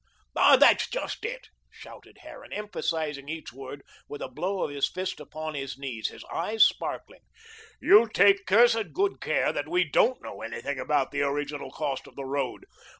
"Ah, that's just it," shouted Harran, emphasising each word with a blow of his fist upon his knee, his eyes sparkling, "you take cursed good care that we don't know anything about the original cost of the road.